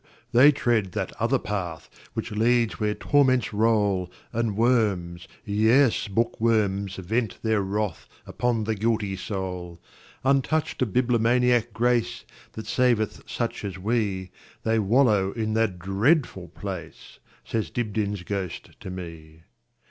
they tread that other path, Which leads where torments roll, And worms, yes, bookworms, vent their wrathUpon the guilty soul. Untouched of bibliomaniac grace, That saveth such as we, They wallow in that dreadful place,"Says Dibdin's ghost to me.